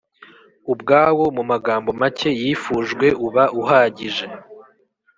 ubwawo mu magambo make yifujwe uba uhagije